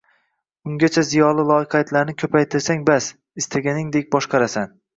Ungacha ziyoli loqaydlarni ko‘paytirsang bas, istaganingdek boshqarasan.